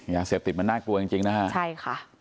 อย่าเสพติดมันน่ากลัวจริงนะคะ